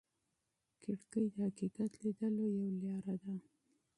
کړکۍ د حقیقت لیدلو یوه لاره ده.